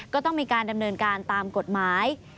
ก็ต้องมีการดำเนินการตามกฎหมาย